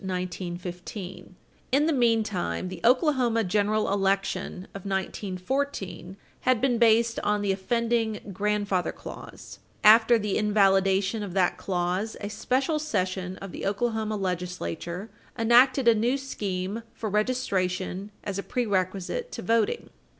In the meantime, the Oklahoma general election of 1914 had been based on the Page 307 U. S. 270 offending "grandfather clause." After the invalidation of that clause, a special session of the Oklahoma legislature enacted a new scheme for registration as a prerequisite to voting.